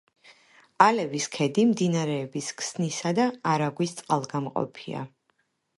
ალევის ქედი მდინარეების ქსნისა და არაგვის წყალგამყოფია.